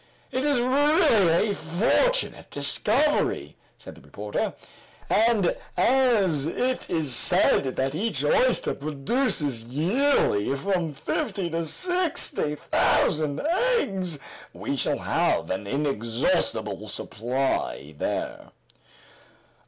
"It is really a fortunate discovery," said the reporter, "and as it is said that each oyster produces yearly from fifty to sixty thousand eggs, we shall have an inexhaustible supply there."